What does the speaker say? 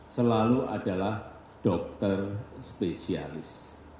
selalu adalah dokter spesialis